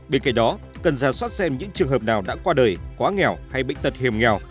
bên cạnh đó cần ra soát xem những trường hợp nào đã qua đời quá nghèo hay bệnh tật hiểm nghèo